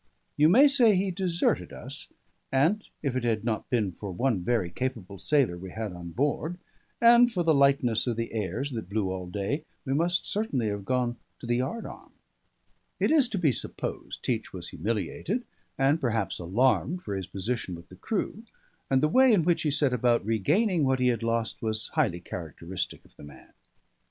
You may say he deserted us; and if it had not been for one very capable sailor we had on board, and for the lightness of the airs that blew all day, we must certainly have gone to the yard arm. It is to be supposed Teach was humiliated, and perhaps alarmed for his position with the crew; and the way in which he set about regaining what he had lost was highly characteristic of the man.